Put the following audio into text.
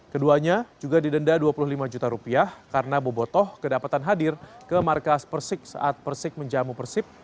keduanya juga didenda dua puluh lima juta rupiah karena bobotoh kedapatan hadir ke markas persik saat persik menjamu persib